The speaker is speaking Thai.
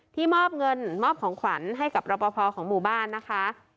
มอบเงินมอบของขวัญให้กับรอปภของหมู่บ้านนะคะ